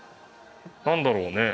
何だろうね。